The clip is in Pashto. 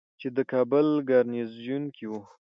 چې دی د کابل ګارنیزیون کې ؤ